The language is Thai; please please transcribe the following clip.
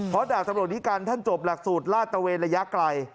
เพราะดาบตำรวจนิกัลท่านจบหลักสูตรลาตะเวนระยะไกล